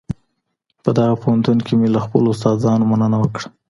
په دغه پوهنتون کي مي له خپلو استادانو مننه وکړه.